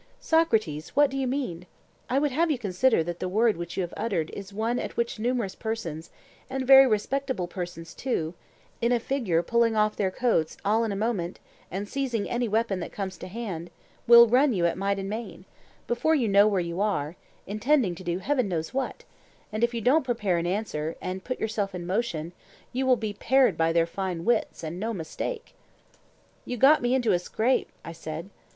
Socrates, what do you mean? I would have you consider that the word which you have uttered is one at which numerous persons, and very respectable persons too, in a figure pulling off their coats all in a moment, and seizing any weapon that comes to hand, will run at you might and main, before you know where you are, intending to do heaven knows what; and if you don't prepare an answer, and put yourself in motion, you will be 'pared by their fine wits,' and no mistake. You got me into the scrape, I said.